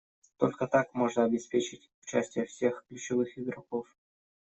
Только так можно обеспечить участие всех ключевых игроков.